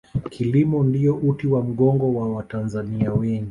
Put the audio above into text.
kilimo ndiyo uti wa mgongo wa watanzania wengi